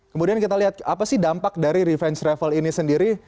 kemudian kita lihat apa sih dampak dari revenge travel ini sendiri